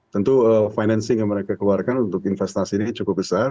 tentu financing yang mereka keluarkan untuk investasi ini cukup besar